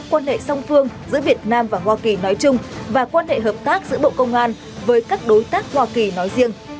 quan hệ song phương giữa việt nam và hoa kỳ nói chung và quan hệ hợp tác giữa bộ công an với các đối tác hoa kỳ nói riêng